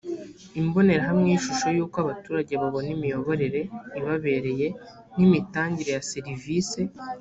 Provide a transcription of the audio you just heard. imbonerahamwe y’ishusho y’uko abaturage babona imiyoborere ibabereye n’imitangire ya serivise